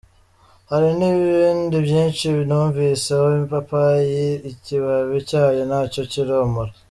Hari n’ibindi byinshi, numviseho ipapayi, ikibabi cyayo nacyo kiromora.